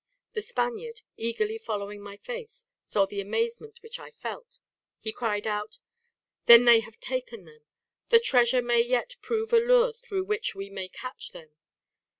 The Spaniard, eagerly following my face, saw the amazement which I felt; he cried out: "Then they have taken them. The treasure may yet prove a lure through which we may catch them.